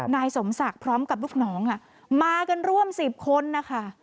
นายสมศักดิ์พร้อมกับลูกน้องมากันร่วม๑๐คนนะคะ